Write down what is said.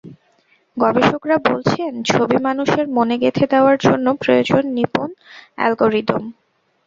গবেষকেরা বলছেন, ছবি মানুষের মনে গেঁথে দেওয়ার জন্য প্রয়োজন নিপুণ অ্যালগরিদম।